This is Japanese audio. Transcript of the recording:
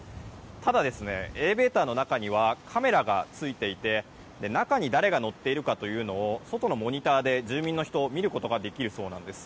ただ、エレベーターの中にはカメラが付いていて中に誰が乗っているかを外のモニターで住民の人が見ることができるそうです。